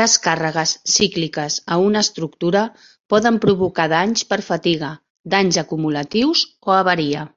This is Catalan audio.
Les càrregues cícliques a una estructura poden provocar danys per fatiga, danys acumulatius o avaria.